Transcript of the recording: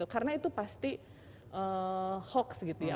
karena itu pasti hoax gitu ya